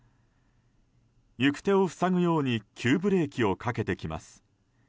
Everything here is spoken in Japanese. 行く手を塞ぐように急ブレーキをかけてきます。